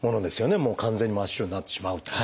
もう完全に真っ白になってしまうっていうのは。